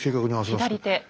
左手。